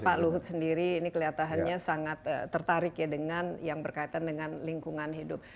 pak luhut sendiri ini kelihatannya sangat tertarik ya dengan yang berkaitan dengan lingkungan hidup